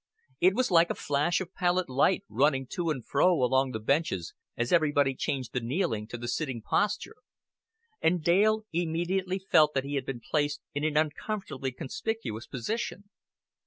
It was like a flash of pallid light running to and fro along the benches as everybody changed the kneeling to the sitting posture; and Dale immediately felt that he had been placed in an uncomfortably conspicuous position.